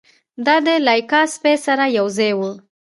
دا د لایکا سپي سره یوځای و.